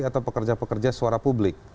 atau pekerja pekerja suara publik